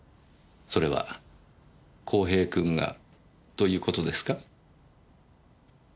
それは公平君がという事ですか？